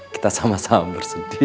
kita sama sama bersedih